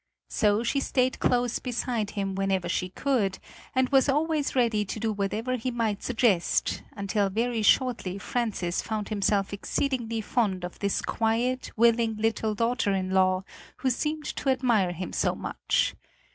So she stayed close beside him whenever she could, and was always ready to do whatever he might suggest, until very shortly Francis found himself exceedingly fond of this quiet, willing little daughter in law who seemed to admire him so much.